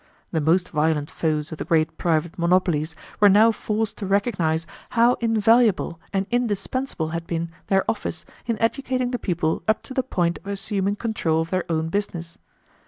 The most violent foes of the great private monopolies were now forced to recognize how invaluable and indispensable had been their office in educating the people up to the point of assuming control of their own business.